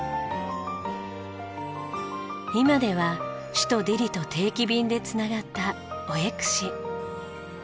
今では首都ディリと定期便で繋がったオエクシ。